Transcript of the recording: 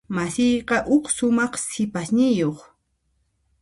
Masiyqa huk sumaq sipasniyuq.